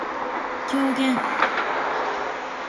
狂言